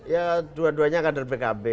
ya dua duanya kader pkb